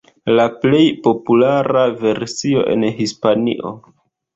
La plej populara versio en Hispanio.